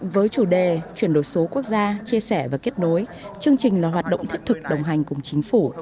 với chủ đề chuyển đổi số quốc gia chia sẻ và kết nối chương trình là hoạt động thiết thực đồng hành cùng chính phủ